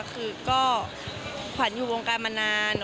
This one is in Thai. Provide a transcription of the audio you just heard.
คือก็ขวัญอยู่วงการมานาน